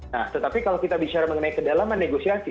nah tetapi kalau kita bicara mengenai kedalaman negosiasi